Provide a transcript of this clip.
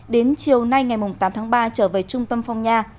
đến chiều nay ngày tám tháng ba trở về trung tâm phong nha